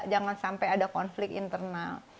jangan sampai ada konflik internal